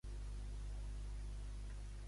Quina relació van tenir amb els pelasgs?